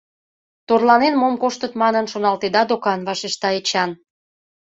Торланен мом коштыт манын, шоналтеда докан, — вашешта Эчан.